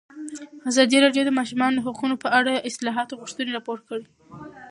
ازادي راډیو د د ماشومانو حقونه په اړه د اصلاحاتو غوښتنې راپور کړې.